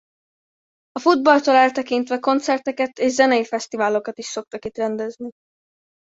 A futballtól eltekintve koncerteket és zenei fesztiválokat is szoktak itt rendezni.